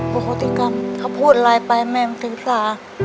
จริงหรอถ้าพูดเลยไปแม่ไม่เชียวถ่าย